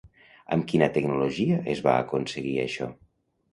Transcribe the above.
Amb quina tecnologia es va aconseguir això?